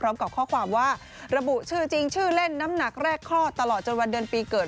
พร้อมกับข้อความว่าระบุชื่อจริงชื่อเล่นน้ำหนักแรกคลอดตลอดจนวันเดือนปีเกิด